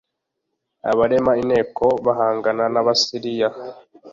abarema inteko bahangana n’Abasiriya.